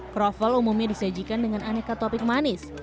kroffel umumnya disajikan dengan aneka topik manis